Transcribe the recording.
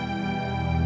gak ada apa apa